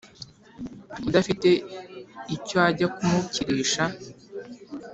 Udafite icyo ajya kumukirisha